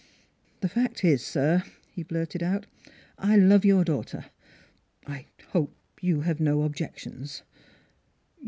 " The fact is, sir," he. blurted out, " I love your daughter. I hope you have no objections."